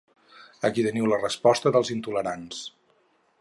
Aquí teniu la resposta dels intolerants.